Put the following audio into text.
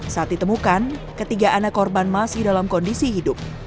saat ditemukan ketiga anak korban masih dalam kondisi hidup